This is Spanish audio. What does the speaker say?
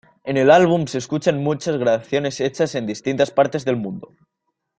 En el álbum se escuchan muchas grabaciones hechas en distintas partes del mundo.